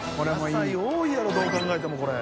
野菜多いやろどう考えてもこれ。